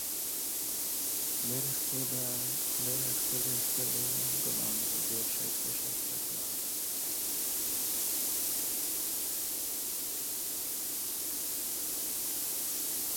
The story begin when Ceferino is only a child and ends after his death.